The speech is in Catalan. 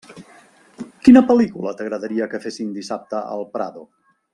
Quina pel·lícula t'agradaria que fessin dissabte al Prado?